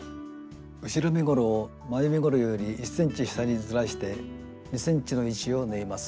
後ろ身ごろを前身ごろより１ｃｍ下にずらして２ｃｍの位置を縫います。